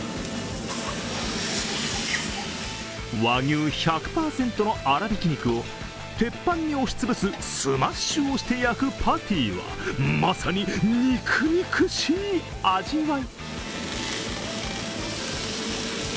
和牛１００％の粗びき肉を鉄板に押しつぶすスマッシュをして焼くパティはまさに肉々しい味わい。